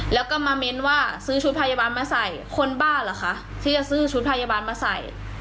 แล้วก็มาเม้นว่าซื้อชุดพยาบาลมาใส่คนบ้าเหรอคะที่จะซื้อชุดพยาบาลมาใส่